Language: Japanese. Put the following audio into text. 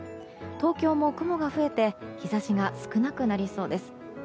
東京も雲が増えて日差しが少なくなりそうです。